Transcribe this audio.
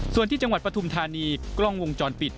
ส่วนที่จังหวัดปฐุมธานีกล้องวงจรปิด